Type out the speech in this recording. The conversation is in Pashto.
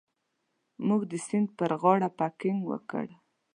موږ د سیند پر غاړه پکنیک وکړ.